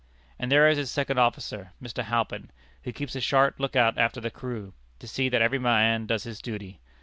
And there is his second officer, Mr. Halpin, who keeps a sharp lookout after the crew, to see that every man does his duty.